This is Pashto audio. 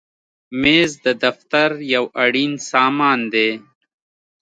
مېز د دفتر یو اړین سامان دی.